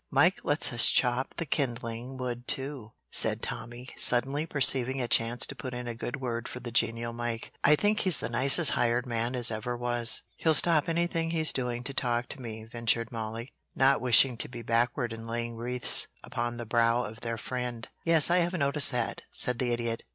"Mike lets us chop the kindling wood, too," said Tommy, suddenly perceiving a chance to put in a good word for the genial Mike. "I think he's the nicest hired man as ever was." "He'll stop anything he's doing to talk to me," ventured Mollie, not wishing to be backward in laying wreaths upon the brow of their friend. "Yes, I have noticed that," said the Idiot.